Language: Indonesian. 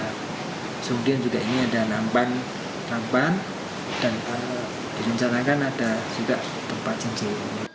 kemudian juga ini ada nampan dan disenjarakan ada juga tempat jenjol